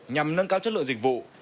nhằm nâng cao chất lượng dịch vụ